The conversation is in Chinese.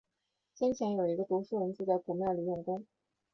先前，有一个读书人住在古庙里用功